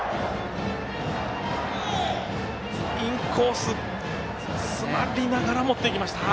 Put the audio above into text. インコース、つまりながら持っていきました。